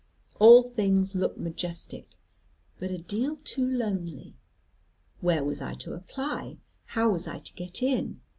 All things looked majestic, but a deal too lonely. Where was I to apply, how was I to get in?